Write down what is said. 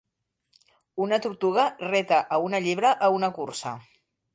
Una tortuga reta a una llebre a una cursa.